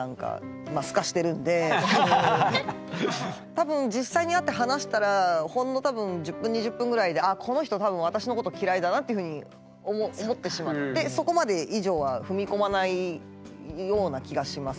たぶん実際に会って話したらほんの１０分２０分ぐらいでっていうふうに思ってしまってそこまで以上は踏み込まないような気がします。